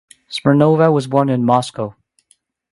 Smirnova was born in Moscow.